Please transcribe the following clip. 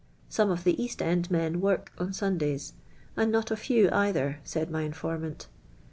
Some of the I'liisl end men work on Sundays, and not a few eitih^r, s:ud my informant.